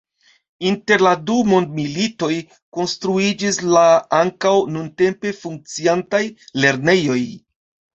Inter la du mondmilitoj konstruiĝis la ankaŭ nuntempe funkciantaj lernejoj.